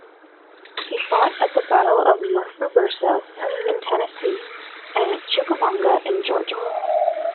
He fought at the Battle of Murfreesboro in Tennessee and Chickamauga in Georgia.